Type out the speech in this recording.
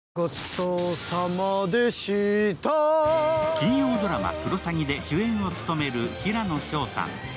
金曜ドラマ「クロサギ」で主演を務める平野紫耀さん。